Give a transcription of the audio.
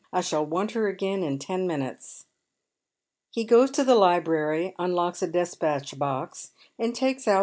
" I shall want her again in ten minutes." He goes to the library, unlocks a despatch box, and takes out 276 Dead Mens Shoes.